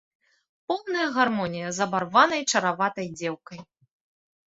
Поўная гармонія з абарванай чараватай дзеўкай.